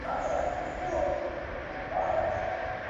তিনি স্বকীয়তার সাক্ষ্য রেখেছেন।